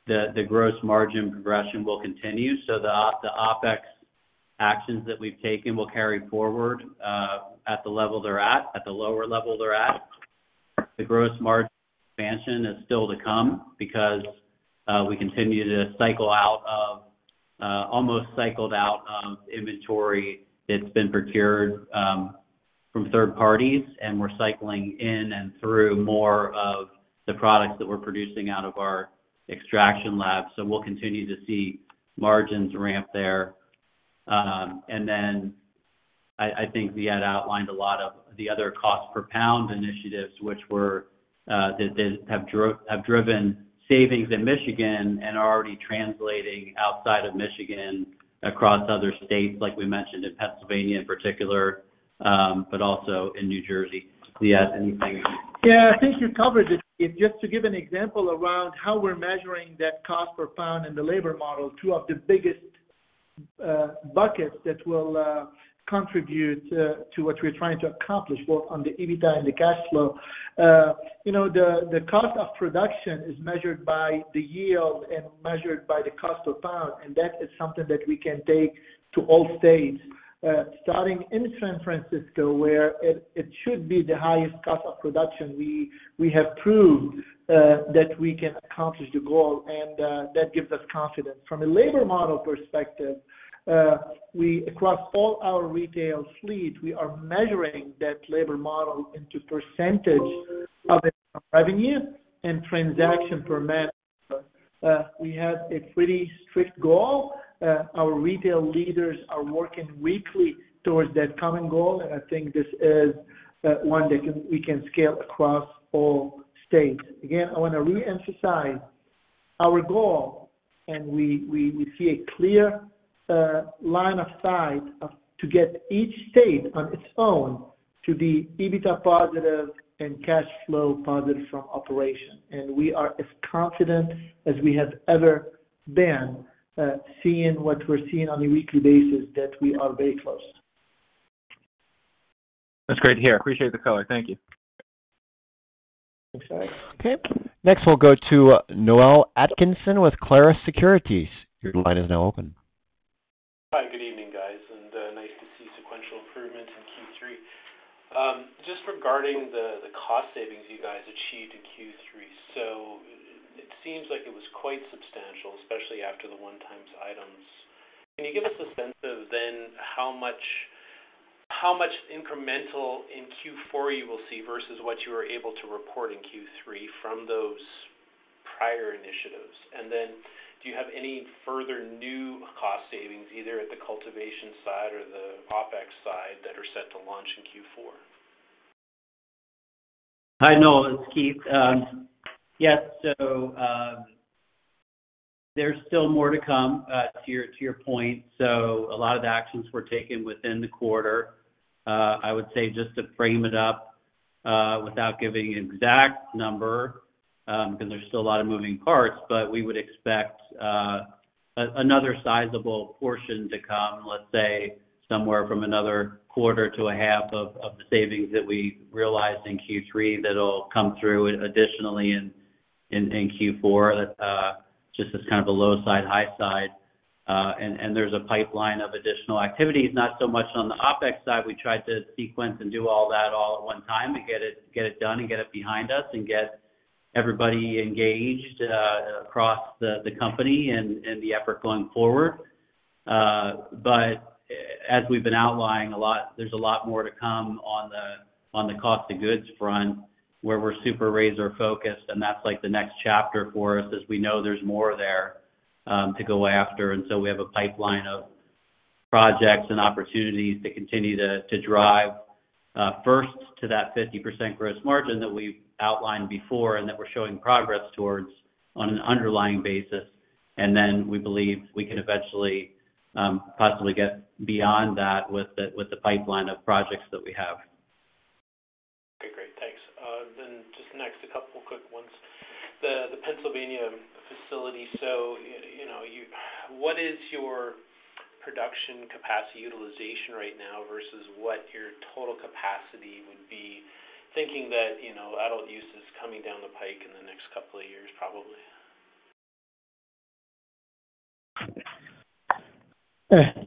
Speaker 4: The gross margin progression will continue. The OpEx actions that we've taken will carry forward at the level they're at the lower level they're at. The gross margin expansion is still to come because we continue to cycle out of inventory that's been procured from third parties, and we're cycling in and through more of the products that we're producing out of our extraction lab. We'll continue to see margins ramp there. I think Ziad outlined a lot of the other cost per pound initiatives which have driven savings in Michigan and are already translating outside of Michigan across other states, like we mentioned in Pennsylvania in particular, but also in New Jersey. Ziad, anything?
Speaker 3: Yeah. I think you covered it. Just to give an example around how we're measuring that cost per pound in the labor model, two of the biggest buckets that will contribute to what we're trying to accomplish, both on the EBITDA and the cash flow. You know the cost of production is measured by the yield and measured by the cost per pound, and that is something that we can take to all states. Starting in San Francisco, where it should be the highest cost of production, we have proved that we can accomplish the goal, and that gives us confidence. From a labor model perspective, across all our retail fleet, we are measuring that labor model into percentage of revenue and transaction per man. We have a pretty strict goal. Our retail leaders are working weekly towards that common goal, and I think this is one that we can scale across all states. Again, I wanna reemphasize our goal, and we see a clear line of sight to get each state on its own to be EBITDA positive and cash flow positive from operation. We are as confident as we have ever been, seeing what we're seeing on a weekly basis that we are very close.
Speaker 9: That's great to hear. Appreciate the color. Thank you.
Speaker 4: Thanks, Eric.
Speaker 1: Okay. Next we'll go to Noel Atkinson with Clarus Securities. Your line is now open.
Speaker 10: Hi, good evening, guys. Nice to see sequential improvement in Q3. Just regarding the cost savings you guys achieved in Q3. It seems like it was quite substantial, especially after the one-time items. Can you give us a sense of how much incremental in Q4 you will see versus what you were able to report in Q3 from those prior initiatives? Do you have any further new cost savings, either at the cultivation side or the OpEx side, that are set to launch in Q4?
Speaker 4: Hi, Noel, it's Keith. Yes. There's still more to come to your point. A lot of the actions were taken within the quarter. I would say just to frame it up without giving an exact number because there's still a lot of moving parts, but we would expect another sizable portion to come, let's say somewhere from another quarter to a half of the savings that we realized in Q3 that'll come through additionally in Q4. That just as kind of a low side, high side. There's a pipeline of additional activities, not so much on the OpEx side. We tried to sequence and do all that all at one time to get it done and get it behind us and get everybody engaged across the company and the effort going forward. As we've been outlining a lot, there's a lot more to come on the cost of goods front, where we're super razor focused, and that's like the next chapter for us as we know there's more there to go after. We have a pipeline of projects and opportunities to continue to drive first to that 50% gross margin that we've outlined before and that we're showing progress towards on an underlying basis. We believe we can eventually possibly get beyond that with the pipeline of projects that we have.
Speaker 10: Okay, great. Thanks. Just next, a couple of quick ones. The Pennsylvania facility. You know, what is your production capacity utilization right now versus what your total capacity would be? Thinking that, you know, adult use is coming down the pike in the next couple of years, probably.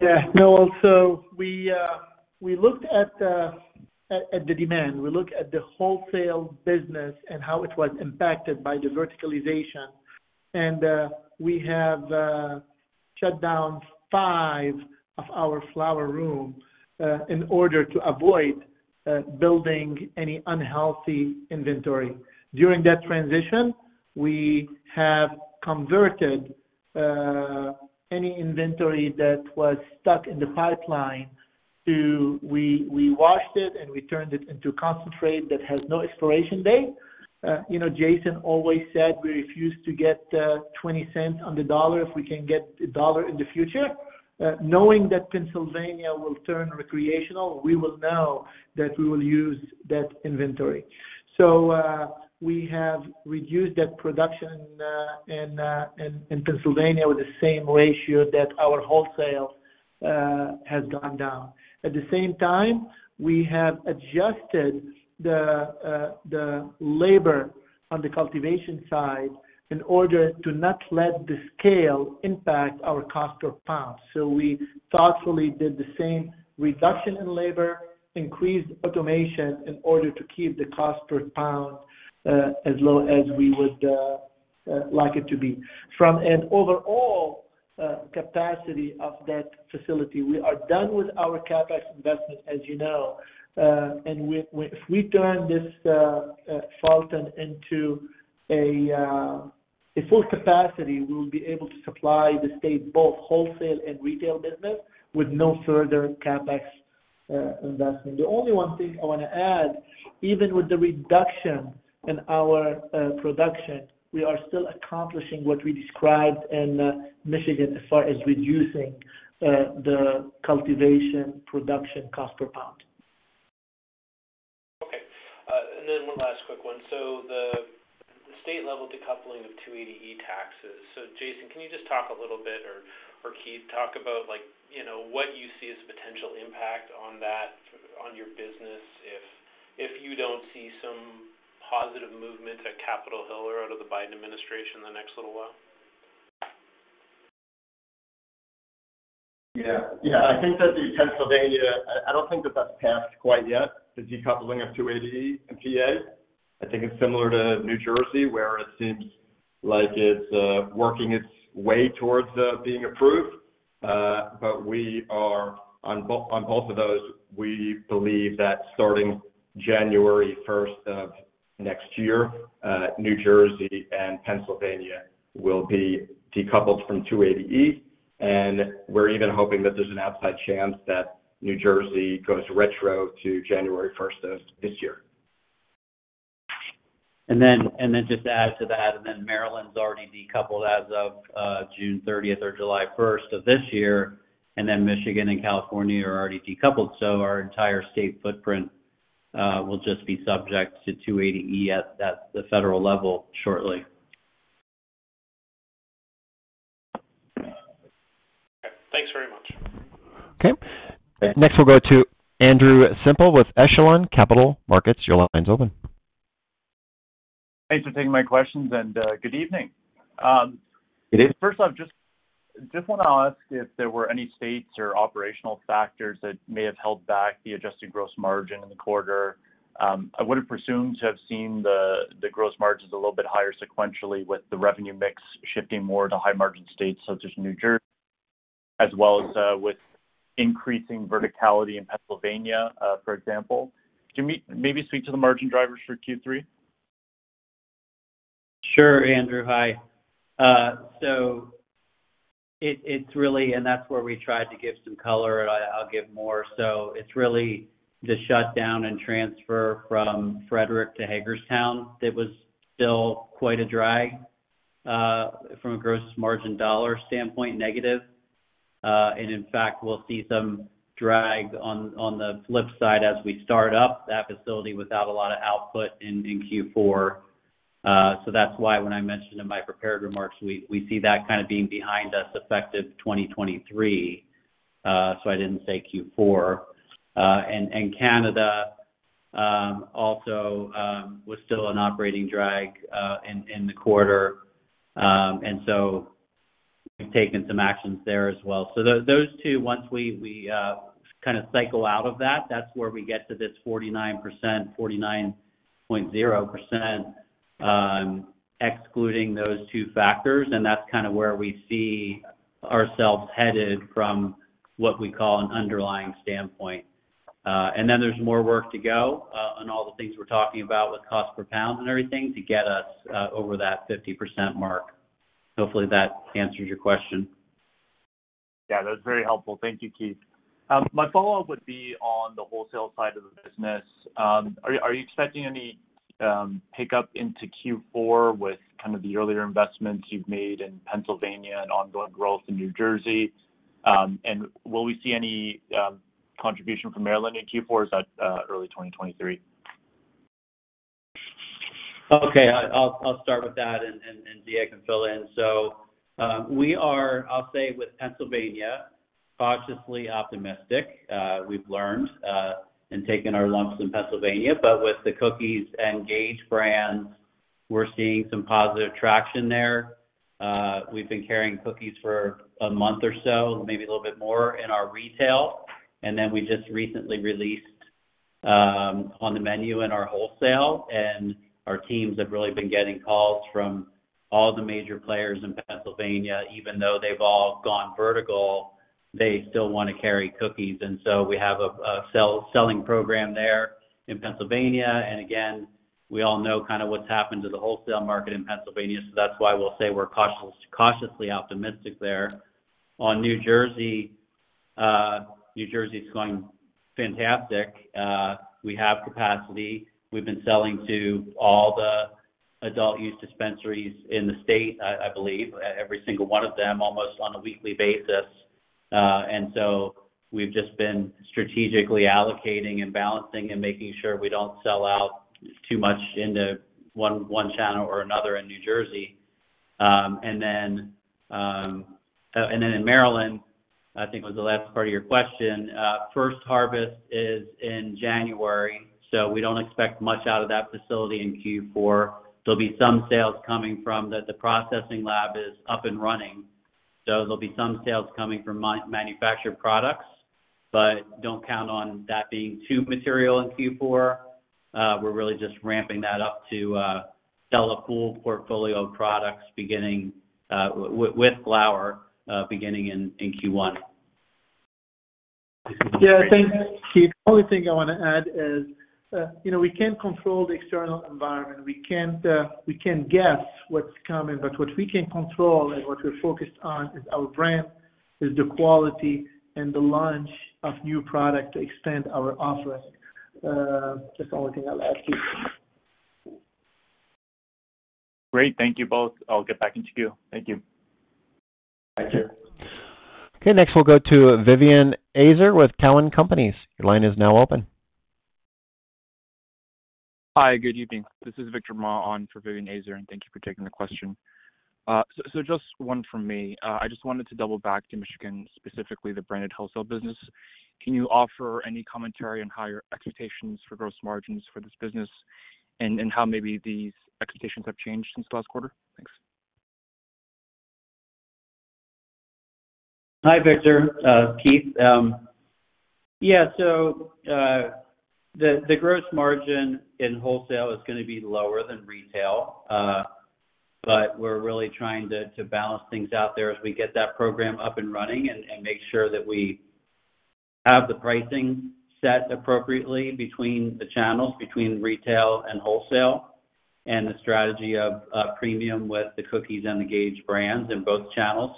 Speaker 3: Yeah. Noel, we looked at the demand. We look at the wholesale business and how it was impacted by the verticalization. We have shut down five of our flower rooms in order to avoid building any unhealthy inventory. During that transition, we have converted any inventory that was stuck in the pipeline to. We washed it and we turned it into concentrate that has no expiration date. You know, Jason always said we refuse to get 20 cents on the dollar if we can get a dollar in the future. Knowing that Pennsylvania will turn recreational, we will know that we will use that inventory. We have reduced that production in Pennsylvania with the same ratio that our wholesale has gone down. At the same time, we have adjusted the labor on the cultivation side in order to not let the scale impact our cost per pound. We thoughtfully did the same reduction in labor, increased automation in order to keep the cost per pound as low as we would like it to be. From an overall capacity of that facility, we are done with our CapEx investment, as you know. If we turn this Fulton into a full capacity, we will be able to supply the state both wholesale and retail business with no further CapEx investment. The only one thing I wanna add, even with the reduction in our production, we are still accomplishing what we described in Michigan as far as reducing the cultivation production cost per pound.
Speaker 10: Okay. Then one last quick one. The state level decoupling of 280E taxes. Jason, can you just talk a little bit or Keith, talk about like, you know, what you see as potential impact on that on your business if you don't see some positive movement at Capitol Hill or out of the Biden administration in the next little while?
Speaker 2: Yeah. Yeah. I think that the Pennsylvania, I don't think that that's passed quite yet, the decoupling of 280E in PA. I think it's similar to New Jersey, where it seems like it's working its way towards being approved. But we are on both of those, we believe that starting January first of next year, New Jersey and Pennsylvania will be decoupled from 280E. We're even hoping that there's an outside chance that New Jersey goes retro to January first of this year.
Speaker 4: Maryland's already decoupled as of June thirtieth or July first of this year, and then Michigan and California are already decoupled. Our entire state footprint will just be subject to 280E at the federal level shortly.
Speaker 10: Okay. Thanks very much.
Speaker 1: Okay. Next we'll go to Andrew Semple with Echelon Capital Markets. Your line's open.
Speaker 11: Thanks for taking my questions and, good evening.
Speaker 1: Good evening.
Speaker 11: First off, just want to ask if there were any states or operational factors that may have held back the adjusted gross margin in the quarter. I would have presumed to have seen the gross margins a little bit higher sequentially with the revenue mix shifting more to high-margin states such as New Jersey, as well as with increasing verticality in Pennsylvania, for example. Can you maybe speak to the margin drivers for Q3?
Speaker 4: Sure, Andrew. Hi. It's really that's where we tried to give some color. I'll give more. It's really the shutdown and transfer from Frederick to Hagerstown that was still quite a drag from a gross margin dollar standpoint, negative. In fact, we'll see some drag on the flip side as we start up that facility without a lot of output in Q4. That's why when I mentioned in my prepared remarks, we see that kind of being behind us effective 2023, so I didn't say Q4. Canada also was still an operating drag in the quarter. We've taken some actions there as well. Those two, once we kind of cycle out of that's where we get to this 49%, 49.0%, excluding those two factors. That's kind of where we see ourselves headed from what we call an underlying standpoint. There's more work to go on all the things we're talking about with cost per pound and everything to get us over that 50% mark. Hopefully that answers your question.
Speaker 11: Yeah. That's very helpful. Thank you, Keith. My follow-up would be on the wholesale side of the business. Are you expecting any pickup into Q4 with kind of the earlier investments you've made in Pennsylvania and ongoing growth in New Jersey? And will we see any contribution from Maryland in Q4, or is that early 2023?
Speaker 4: Okay. I'll start with that and Ziad can fill in. I'll say with Pennsylvania, we are cautiously optimistic. We've learned and taken our lumps in Pennsylvania. With the Cookies and Gage brands, we're seeing some positive traction there. We've been carrying Cookies for a month or so, maybe a little bit more in our retail. Then we just recently released on the menu in our wholesale, and our teams have really been getting calls from all the major players in Pennsylvania. Even though they've all gone vertical, they still wanna carry Cookies. We have a selling program there in Pennsylvania. Again, we all know kinda what's happened to the wholesale market in Pennsylvania. That's why we'll say we're cautiously optimistic there. On New Jersey, New Jersey is going fantastic. We have capacity. We've been selling to all the adult use dispensaries in the state, I believe, every single one of them, almost on a weekly basis. We've just been strategically allocating and balancing and making sure we don't sell out too much into one channel or another in New Jersey. In Maryland, I think was the last part of your question. First harvest is in January, so we don't expect much out of that facility in Q4. There'll be some sales coming from the processing lab is up and running, so there'll be some sales coming from manufactured products, but don't count on that being too material in Q4. We're really just ramping that up to sell a full portfolio of products beginning with flower beginning in Q1.
Speaker 3: Yeah, thanks, Keith. Only thing I wanna add is, you know, we can't control the external environment. We can't guess what's coming, but what we can control and what we're focused on is our brand, is the quality and the launch of new product to extend our offering. That's the only thing I'll add, Keith.
Speaker 11: Great. Thank you both. I'll get back into queue. Thank you.
Speaker 4: Thank you.
Speaker 1: Okay, next we'll go to Vivien Azer with Cowen and Company. Your line is now open.
Speaker 12: Hi. Good evening. This is Victor Ma on for Vivien Azer, and thank you for taking the question. Just one from me. I just wanted to double back to Michigan, specifically the branded wholesale business. Can you offer any commentary on how your expectations for gross margins for this business and how maybe these expectations have changed since last quarter? Thanks.
Speaker 4: Hi, Victor. Keith. The gross margin in wholesale is gonna be lower than retail, but we're really trying to balance things out there as we get that program up and running and make sure that we have the pricing set appropriately between the channels, between retail and wholesale, and the strategy of premium with the Cookies and the Gage brands in both channels.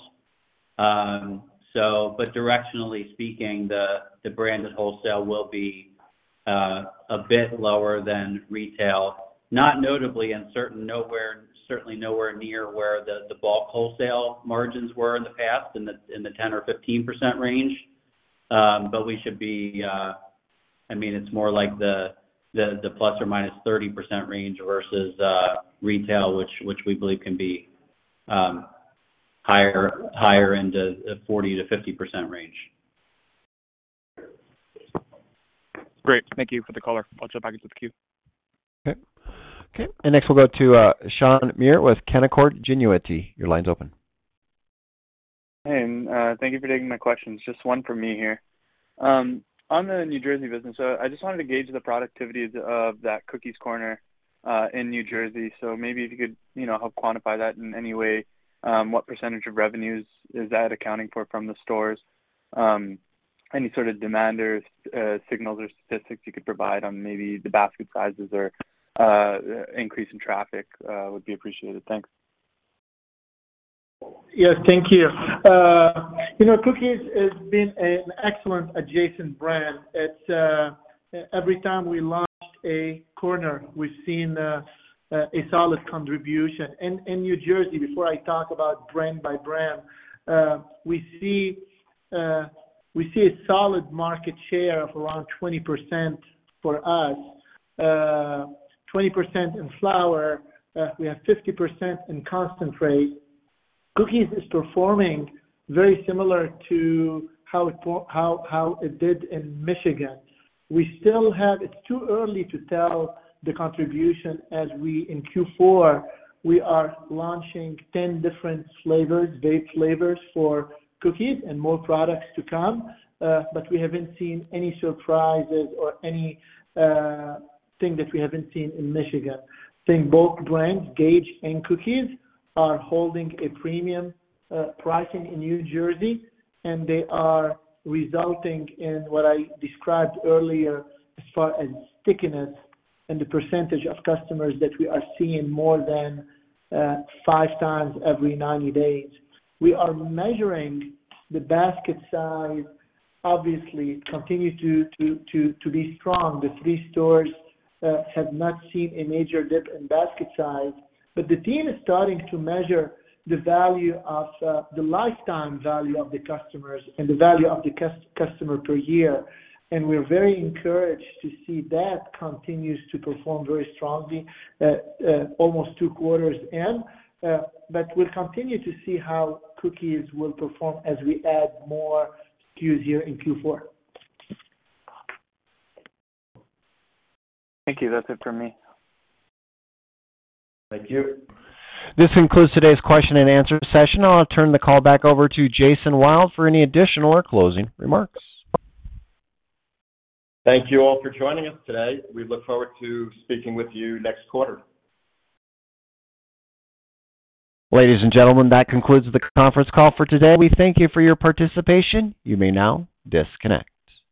Speaker 4: But directionally speaking, the margin in wholesale will be a bit lower than retail. Not notably, certainly nowhere near where the bulk wholesale margins were in the past, in the 10%-15% range. But we should be. I mean, it's more like the ±30% range versus retail, which we believe can be higher into the 40%-50% range.
Speaker 12: Great. Thank you. Put the caller back into the queue.
Speaker 1: Okay. Next we'll go to Matt Bottomley with Canaccord Genuity. Your line's open.
Speaker 13: Hey, thank you for taking my questions. Just one for me here. On the New Jersey business, I just wanted to gauge the productivity of that Cookies corner in New Jersey. Maybe if you could, you know, help quantify that in any way, what percentage of revenues is that accounting for from the stores? Any sort of demand or signals or statistics you could provide on maybe the basket sizes or increase in traffic would be appreciated. Thanks.
Speaker 3: Yes, thank you. You know, Cookies has been an excellent adjacent brand. It's every time we launch a corner, we've seen a solid contribution. In New Jersey, before I talk about brand by brand, we see a solid market share of around 20% for us, 20% in flower. We have 50% in concentrate. Cookies is performing very similar to how it did in Michigan. We still have. It's too early to tell the contribution as we, in Q4, we are launching 10 different flavors, vape flavors for Cookies and more products to come. But we haven't seen any surprises or anything that we haven't seen in Michigan. I think both brands, Gage and Cookies, are holding a premium pricing in New Jersey, and they are resulting in what I described earlier as far as stickiness and the percentage of customers that we are seeing more than 5 times every 90 days. We are measuring the basket size, obviously continues to be strong. The 3 stores have not seen a major dip in basket size, but the team is starting to measure the value of the lifetime value of the customers and the value of the customer per year, and we're very encouraged to see that continues to perform very strongly, almost 2 quarters in. We'll continue to see how Cookies will perform as we add more SKUs here in Q4.
Speaker 13: Thank you. That's it for me.
Speaker 4: Thank you.
Speaker 1: This concludes today's question and answer session. I'll turn the call back over to Jason Wild for any additional or closing remarks.
Speaker 4: Thank you all for joining us today. We look forward to speaking with you next quarter.
Speaker 1: Ladies and gentlemen, that concludes the conference call for today. We thank you for your participation. You may now disconnect.